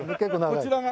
こちらが？